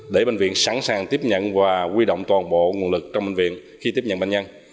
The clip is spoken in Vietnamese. để bệnh viện sẵn sàng tiếp nhận và quy động toàn bộ nguồn lực trong bệnh viện khi tiếp nhận bệnh nhân